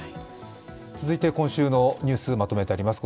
続いて今週のニュースまとめてあります。